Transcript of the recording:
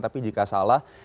tapi jika salah